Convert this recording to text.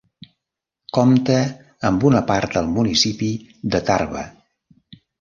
Compta amb una part del municipi de Tarba.